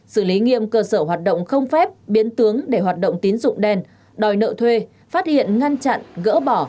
xử lý nghiêm cơ sở hoạt động không phép biến tướng để hoạt động tín dụng đen đòi nợ thuê phát hiện ngăn chặn gỡ bỏ